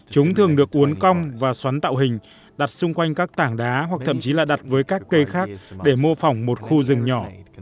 chúng thường được uốn cong và xoắn tạo hình đặt xung quanh các tảng đá hoặc thậm chí là đặt với các cây khác để mô phỏng một khu rừng nhỏ